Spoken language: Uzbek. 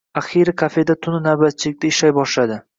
Axiyri kafeda tuni navbatchilikda ishlay boshladi.